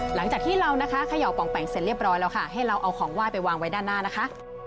หลังจากที่เรานะคะเขย่าปองแปงเสร็จเรียบร้อยแล้วค่ะให้เราเอาของไหว้ไปวางไว้ด้านหน้านะคะ